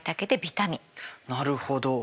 なるほど。